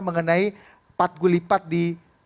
mengenai pat gulipat di